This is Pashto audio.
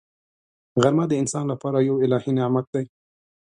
غرمه د انسان لپاره یو الهي نعمت دی